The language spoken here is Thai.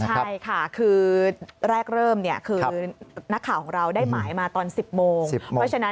ใช่ค่ะคือแรกเริ่มนักข่าวของเราได้หมายมาตอน๑๐โมง